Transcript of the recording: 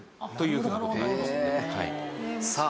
さあ。